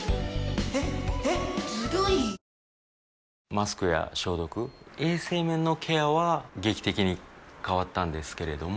マスクや消毒衛生面のケアは劇的に変わったんですけれども